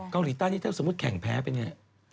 เกาหลีใต้นี่ถ้าสมมุติแข่งแพ้ไปเนี่ย